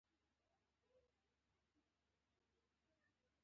د دې یوځای کېدو څخه مالي پانګه جوړېږي